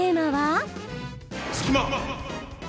隙間！